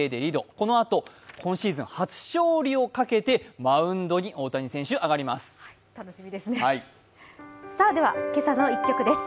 このあと、今シーズン初勝利をかけて、マウンドに大谷選手、上がります。